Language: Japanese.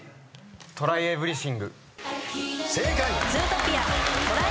『トライ・エヴリシング』正解。